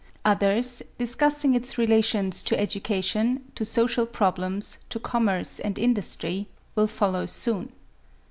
Others discussing its relations to education, to social problems, to commerce and industry will follow soon.